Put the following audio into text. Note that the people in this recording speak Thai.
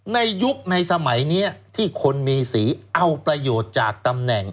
ในยุคในสมัยนี้ที่คนมีสีเอาประโยชน์จากตำแหน่ง